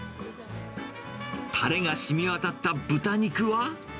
たれがしみわたった豚肉は？